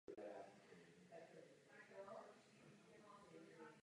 Hra měla úspěch a obdržela cenu "Evening Standard Award" za nejlepší komedii.